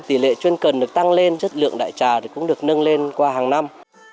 tỷ lệ chuyên cần được tăng lên chất lượng đại trà cũng được nâng lên qua hàng năm